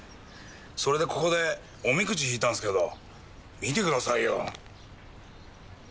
それでここでおみくじ引いたんすけど見て下さいよ。